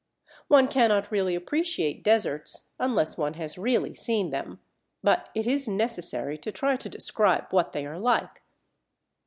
One cannot really appreciate deserts unless one has really seen them. But it is necessary to try to describe what they are like.